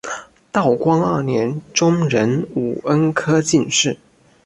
道光二年中壬午恩科进士。